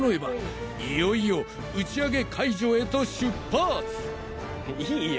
いよいよ打ち上げ会場へと出発いい茵。